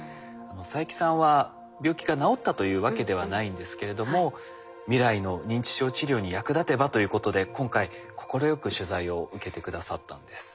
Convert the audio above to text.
佐伯さんは病気が治ったというわけではないんですけれども未来の認知症治療に役立てばということで今回快く取材を受けて下さったんです。